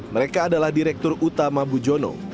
mereka adalah direktur utama bujono